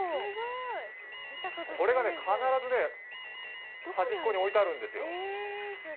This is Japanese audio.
これが必ずはじっこに置いてあるんですよ。